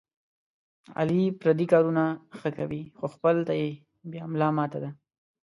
علي پردي کارونه ښه کوي، خو خپل ته یې بیا ملا ماته ده.